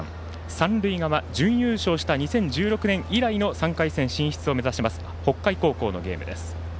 三塁側、準優勝した２０１６年以来の３回戦進出を目指します北海高校のゲームです。